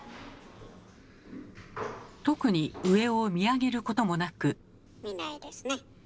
特に上を見上げることもなく。